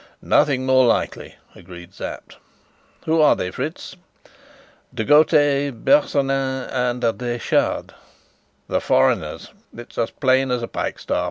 "Nothing more likely," agreed Sapt. "Who are here, Fritz?" "De Gautet, Bersonin, and Detchard." "The foreigners! It's as plain as a pikestaff.